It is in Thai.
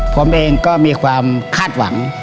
ผมเองก็มีความคาดหวัง